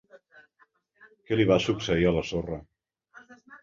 Què li va succeir a la sorra?